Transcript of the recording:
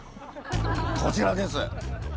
こちらです。